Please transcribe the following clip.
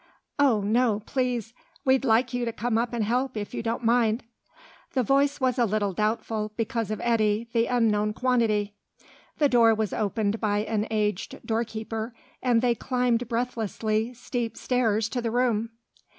"Oh, no, please. We'd like you to come up and help, if you don't mind." The voice was a little doubtful because of Eddy, the unknown quantity. The door was opened by an aged door keeper, and they climbed breathlessly steep stairs to the room.